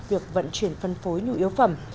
việc vận chuyển phân phối nhu yếu phẩm